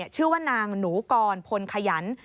ชื่อว่านางหนูกรพลขยัน